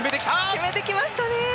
決めてきましたね！